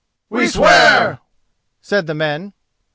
"We swear," said the men.